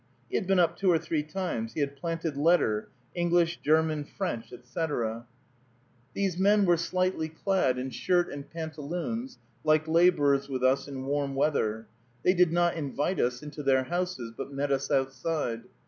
He had been up two or three times; he had planted letter, English, German, French, etc. These men were slightly clad in shirt and pantaloons, like laborers with us in warm weather. They did not invite us into their houses, but met us outside.